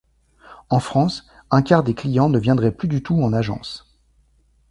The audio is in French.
En France, un quart des clients ne viendraient plus du tout en agence.